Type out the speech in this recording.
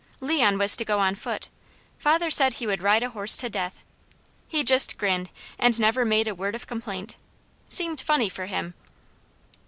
Leon was to go on foot. Father said he would ride a horse to death. He just grinned and never made a word of complaint. Seemed funny for him.